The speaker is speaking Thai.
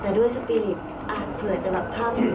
แต่ด้วยสปีริปอ่ะเผื่อจะภาพสวยอยากให้กลับกลับ